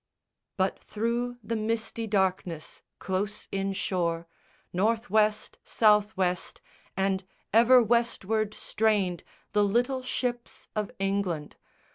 But through the misty darkness, close inshore, North west, South west, and ever Westward strained The little ships of England.